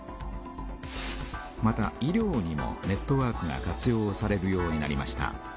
また医療にもネットワークが活用されるようになりました。